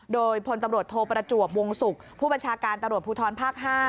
โดยพลตำรวจโทประจวบวงศุกร์ผู้บัญชาการตำรวจภูทรภาค๕